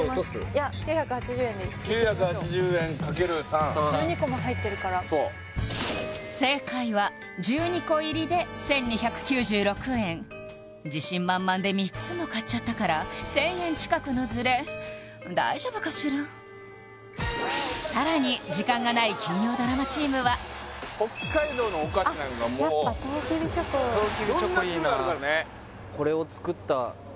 いや９８０円でいきましょう９８０円×３１２個も入ってるから正解は１２個入りで１２９６円自信満々で３つも買っちゃったから１０００円近くのズレ大丈夫かしらさらに時間がない金曜ドラマチームは北海道のお菓子なんかもうやっぱとうきびチョコとうきびチョコいいな色んな種類あるからねえっ？